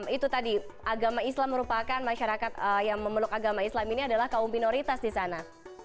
itu tadi agama islam merupakan masyarakat yang memeluk agama islam ini adalah kaum minoritas di sana